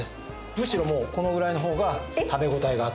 むしろこのぐらいの方が食べ応えがあって。